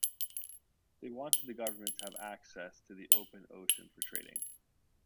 They wanted the government to have access to the open ocean for trading.